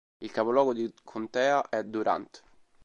Il capoluogo di contea è Durant.